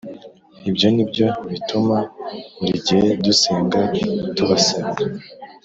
ibyo ni byo bituma buri gihe dusenga tubasabira.